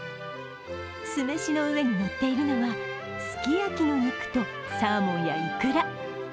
酢飯の上にのっているのはすき焼きの肉とサーモンやイクラ。